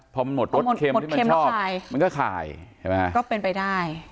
พอมันหมดรสเค็มที่ชอบมันเท่าไหร่มันก็คลาย